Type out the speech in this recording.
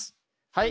はい。